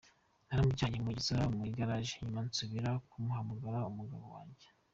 Naramujyanye mugeza mu igaraje nyuma nsubira guhamagara umugabo wange.